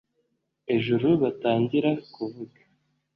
Ijuru batangira kuvuga